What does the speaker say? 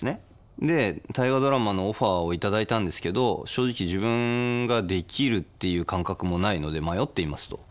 で「大河ドラマ」のオファーを頂いたんですけど正直自分ができるっていう感覚もないので迷っていますと。